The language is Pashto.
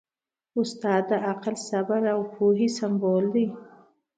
استاد د عقل، صبر او پوهې سمبول دی.